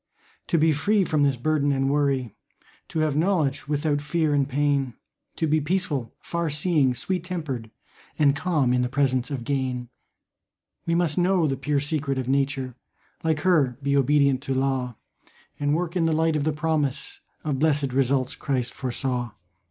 To be free from this burden and worry, To have knowledge without fear and pain, To be peaceful, far seeing, sweet tempered, And calm in the presence of gain, We must know the pure secret of Nature, Like her be obedient to law, And work in the light of the promise Of blessed results Christ foresaw.